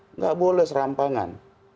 tidak boleh serampangan